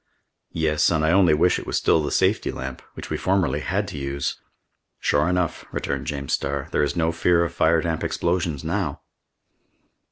"Yes, and I only wish it was still the safety lamp, which we formerly had to use!" "Sure enough," returned James Starr, "there is no fear of fire damp explosions now!"